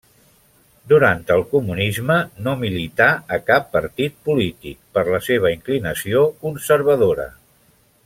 Durant el Comunisme no milità a cap partit polític, per la seva inclinació conservadora.